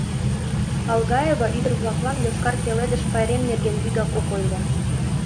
Алгаева ӱдыр-влаклан Йошкар пеледыш пайрем нерген вигак ок ойло.